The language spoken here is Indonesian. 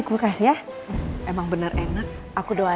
ini bubur kacang ijo yang paling enak yang pernah saya coba